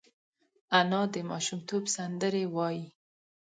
انا د ماشومتوب سندرې وايي